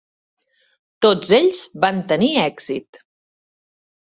Tots ells van tenir èxit.